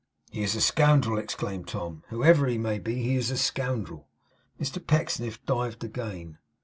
'He is a scoundrel!' exclaimed Tom. 'Whoever he may be, he is a scoundrel.' Mr Pecksniff dived again.